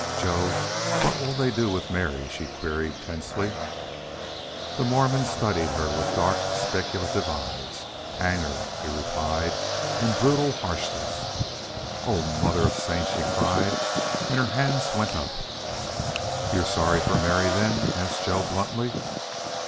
"Joe what will they do with Mary?" she queried, tensely. The Mormon studied her with dark, speculative eyes. "Hang her!" he rejoined in brutal harshness. "O Mother of Saints!" she cried, and her hands went up. "You're sorry for Mary, then?" asked Joe, bluntly.